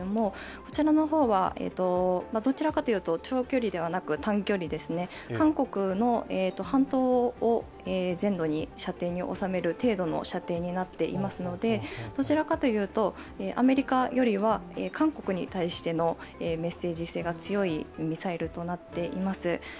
こちらの方はどちらかというと長距離ではなく短距離ですね、韓国の半島全土に射程を収める程度の射程になっていますのでどちらかというと、アメリカよりは韓国に対してのメッセージ性が強いミサイルとなっています。